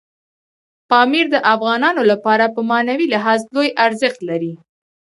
پامیر د افغانانو لپاره په معنوي لحاظ لوی ارزښت لري.